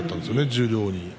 十両に。